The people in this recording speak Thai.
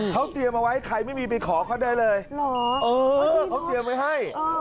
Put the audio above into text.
เขาเตรียมเอาไว้ใครไม่มีไปขอเขาได้เลยเหรอเออเขาเตรียมไว้ให้